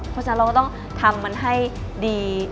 เพราะฉะนั้นเราก็ต้องทำมันให้ดี